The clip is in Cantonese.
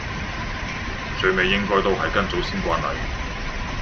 最尾應該都係跟祖先慣例